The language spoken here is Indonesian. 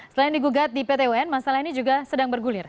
selain digugat di pt un masalah ini juga sedang bergulir